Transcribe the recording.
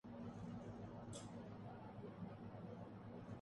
امریکا اقتصادی اصلاحات کی کوششوں میں پاکستان سے تعاون جاری رکھے گا